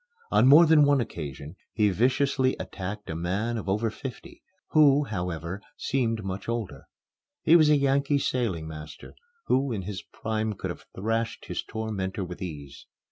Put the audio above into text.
On more than one occasion he viciously attacked a man of over fifty, who, however, seemed much older. He was a Yankee sailing master, who in his prime could have thrashed his tormentor with ease.